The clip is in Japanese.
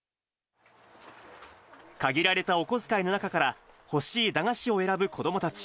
限られたお小遣いの中から、欲しい駄菓子を選ぶ子どもたち。